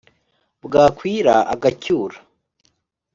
bwakwira agacyura